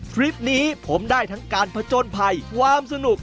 คลิปนี้ผมได้ทั้งการผจญภัยความสนุก